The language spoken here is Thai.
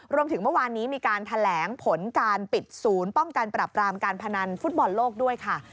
รวมถึงเมื่อวานนี้มีการแถลงผลการปิดศูนย์ป้องกันปรับรามการพนันฟุตบอลโลกด้วยค่ะ